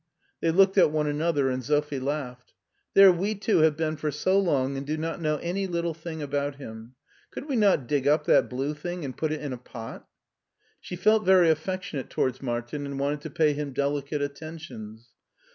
'* They looked at one another, and Sophie laughed. " There we two have been here for so long and do not know any little thing about him. Could wc not dig up that blue thing and put it in a pot ?" She felt very affectionate towards Martin and wanted to pay him delicate attentions.